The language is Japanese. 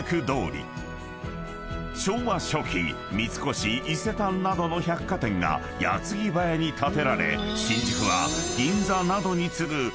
［昭和初期三越伊勢丹などの百貨店が矢継ぎ早に建てられ新宿は銀座などに次ぐ］